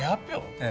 ええ。